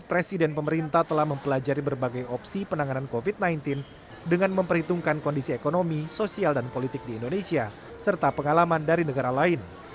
pembangunan politik di indonesia serta pengalaman dari negara lain